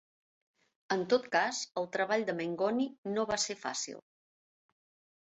En tot cas, el treball de Mengoni no va ser fàcil.